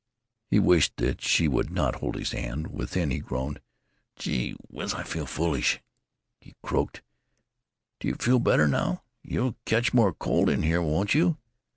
He wished that she would not hold his hand. Within he groaned, "Gee whiz! I feel foolish!" He croaked: "Do you feel better, now? You'll catch more cold in here, won't you?